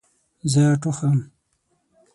زه ټوخم